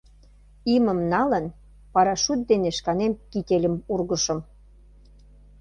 Имым налын, парашют дене шканем кительым ургышым.